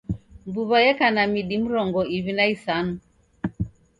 Mbuw'a yeka na midi mrongo iw'i na isanu.